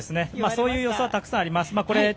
そういう予想はたくさんあります。